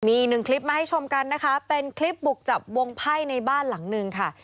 มีอีกหนึ่งคลิปมาให้ชมกันนะคะเป็นคลิปบุกจับวงไพ่ในบ้านหลังนึงค่ะ